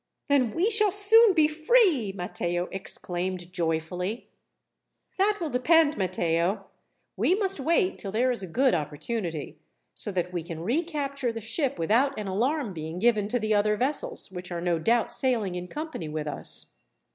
"Then we shall soon be free!" Matteo exclaimed joyfully. "That will depend, Matteo. We must wait till there is a good opportunity, so that we can recapture the ship without an alarm being given to the other vessels, which are no doubt sailing in company with us.